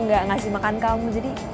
nggak ngasih makan kamu jadi